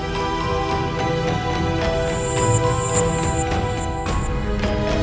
jika ibu nasib dari pembahasibu